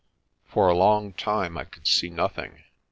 For a long time I could see nothing.